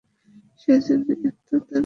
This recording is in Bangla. সেইজন্যেই এত তাড়া।